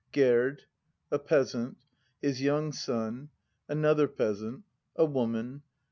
Gerd. A Peasant. His Young Son. Another Peas.aj^t. A Woman.